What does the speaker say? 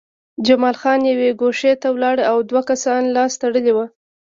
جمال خان یوې ګوښې ته ولاړ و او دوه کسان لاس تړلي وو